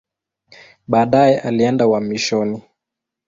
Baadaye alienda uhamishoni.